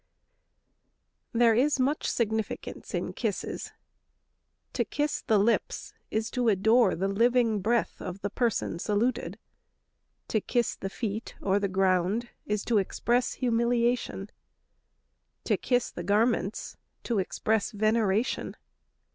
There is much significance in kisses. To kiss the lips is to adore the living breath of the person saluted; to kiss the feet or the ground is to express humiliation; to kiss the garments to express veneration.